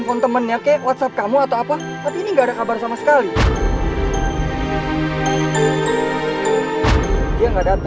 tertika kenapa sih